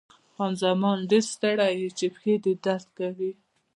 خان زمان: ډېر ستړی یې، چې پښې دې درد کوي؟